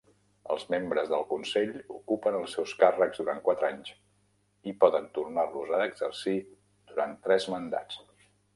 Els membres del consell ocupen els seus càrrecs durant quatre anys i poden tornar-los a exercir durant tres mandats.